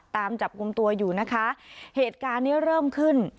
ตามจับกลุ่มตัวอยู่นะคะเหตุการณ์เนี้ยเริ่มขึ้น